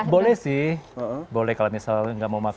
boleh sih boleh kalau misalnya nggak mau makan